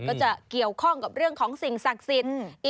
ก็จะเกี่ยวข้องกับเรื่องของสิ่งศักดิ์สิทธิ์